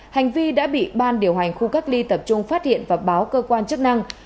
hành vi đã bị ban điều hành khu cách ly tập trung phát hiện và báo cơ quan chức năng